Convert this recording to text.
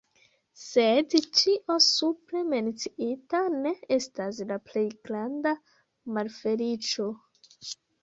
Sed ĉio supre menciita ne estas la plej granda malfeliĉo.